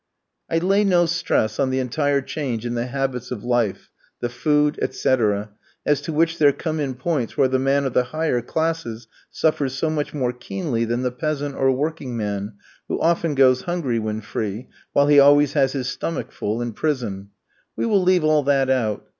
I lay no stress on the entire change in the habits of life, the food, etc., as to which there come in points where the man of the higher classes suffers so much more keenly than the peasant or working man, who often goes hungry when free, while he always has his stomach full in prison. We will leave all that out.